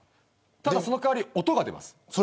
ただ、その代わり、音が出ます。